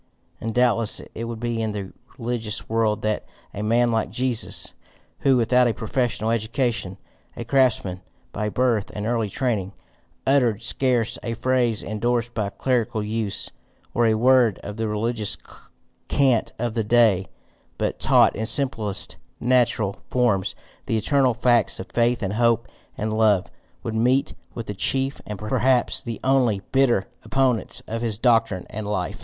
And doubtless it would be in the religious world that a man like Jesus, who, without a professional education, a craftsman by birth and early training, uttered scarce a phrase endorsed by clerical use, or a word of the religious cant of the day, but taught in simplest natural forms the eternal facts of faith and hope and love, would meet with the chief and perhaps the only BITTER opponents of his doctrine and life.